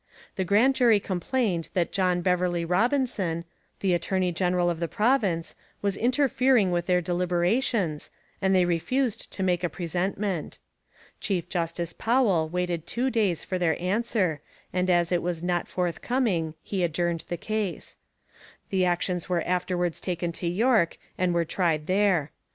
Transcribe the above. The grand jury complained that John Beverley Robinson, the attorney general of the province, was interfering with their deliberations, and they refused to make a presentment. Chief Justice Powell waited two days for their answer, and as it was not forthcoming he adjourned the case. The actions were afterwards taken to York and were tried there.